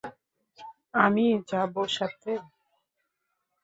আমি যাব সাথে!